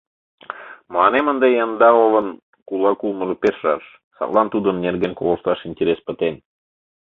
Мыланем ынде Яндаловын кулак улмыжо пеш раш, садлан тудын нерген колышташ интерес пытен.